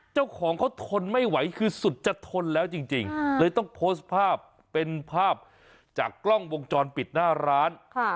เจ้าของเขาทนไม่ไหวคือสุดจะทนแล้วจริงเลยต้องโพสต์ภาพเป็นภาพจากกล้องวงจรปิดหน้าร้าน